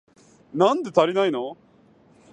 なんで足りないの？